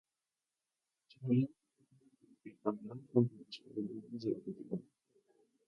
Su salida está situada en el Intercambiador junto a los juzgados de la capital.